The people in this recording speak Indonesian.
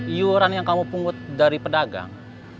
iuran yang kamu pungut dari pedagang